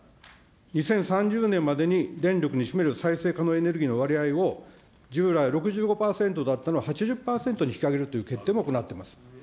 ２０３０年までに電力に占める再生可能エネルギーの割合を、従来６５％だったのを８０％に引き上げるという決定も行ってます。